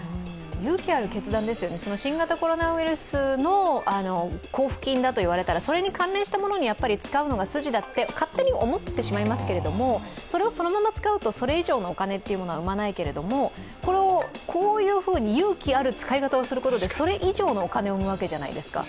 勇気ある決断ですよね、新型コロナウイルスの交付金だと言われたら、それに関連したものに使うのが筋だって勝手に思ってしまいますけどもそれをそのまま使うとそれ以上のお金は生まないけれども、こういうふうに勇気ある使い方をすることで、それ以上のお金を生むわけじゃないですか。